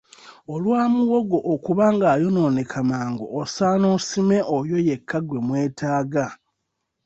Olwa muwogo okuba ng'ayonooneka mangu osaana osime oyo yekka gwe mwetaaga.